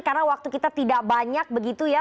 karena waktu kita tidak banyak begitu ya